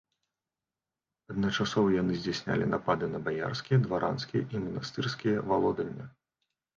Адначасова яны здзяйснялі напады на баярскія, дваранскія і манастырскія валодання.